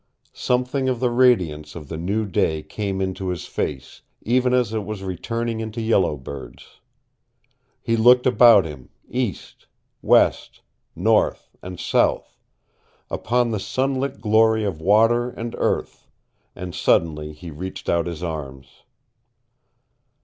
Something of the radiance of the new day came into his face, even as it was returning into Yellow Bird's. He looked about him east, west, north and south upon the sunlit glory of water and earth, and suddenly he reached out his arms.